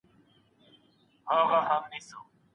د ميرمني اړوند منفي قضاوت مه کوئ.